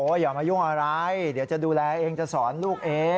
อย่ามายุ่งอะไรเดี๋ยวจะดูแลเองจะสอนลูกเอง